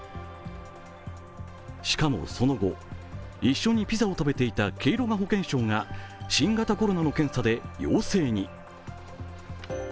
しかもその後、一緒にピザを食べていたケイロガ保健相が新型コロナの検査で陽性に。